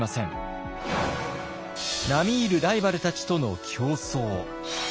並み居るライバルたちとの競争。